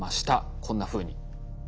こんなふうに。